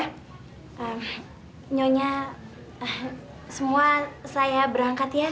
nyonya semua saya berangkat ya